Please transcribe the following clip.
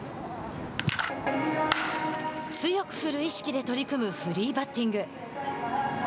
強く振る意識で取り組むフリーバッティング。